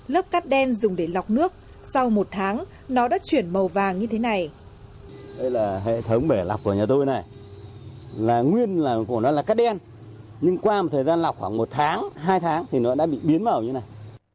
lớp cát đen dùng để lọc nước sau một tháng nó đã chuyển màu vàng như thế này